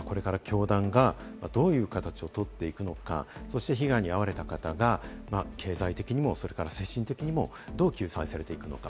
これから教団がどういう形をとっていくのか、そして被害に遭われた方々が経済的にも、それから精神的にもどう救済されていくのか？